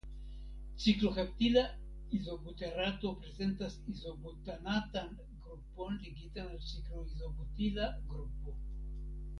Cikloheptila izobuterato prezentas izobutanatan grupon ligitan al cikloizobutila grupo.